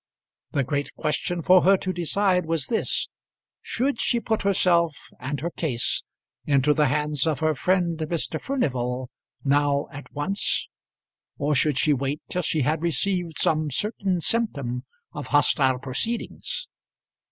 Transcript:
The great question for her to decide was this; should she put herself and her case into the hands of her friend Mr. Furnival now at once, or should she wait till she had received some certain symptom of hostile proceedings?